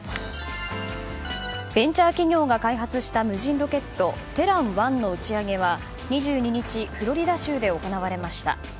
ベンチャー企業が開発した無人ロケット「テラン１」の打ち上げは２２日フロリダ州で行われました。